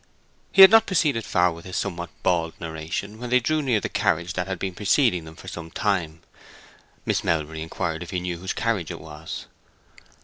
He had not proceeded far with his somewhat bald narration when they drew near the carriage that had been preceding them for some time. Miss Melbury inquired if he knew whose carriage it was.